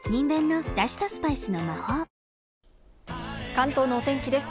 関東のお天気です。